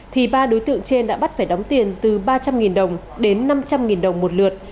thì ba đối tượng trên đã bắt phải đóng tiền từ ba trăm linh đồng đến năm trăm linh đồng một lượt